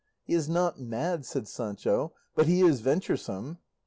"He is not mad," said Sancho, "but he is venturesome."